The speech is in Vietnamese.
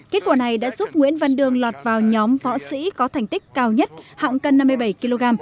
kết quả này đã giúp nguyễn văn đương lọt vào nhóm võ sĩ có thành tích cao nhất hạng cân năm mươi bảy kg